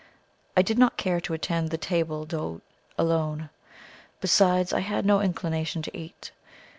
I did not care to attend the table d'hote alone; besides, I had no inclination to eat.